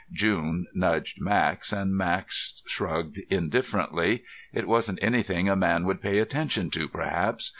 June nudged Max, and Max shrugged indifferently. It wasn't anything a man would pay attention to, perhaps.